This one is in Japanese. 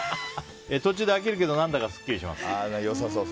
途中で飽きるけど何だかスッキリします。